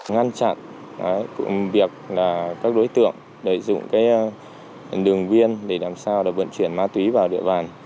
ngăn chặn công việc các đối tượng để dùng đường viên để làm sao vận chuyển ma túy vào địa bàn